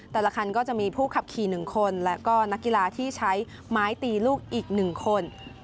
แต่ละคันก็จะมีผู้ขับขี่๑คนและก็นักกีฬาที่ใช้ไม้ตีลูกอีก๑คน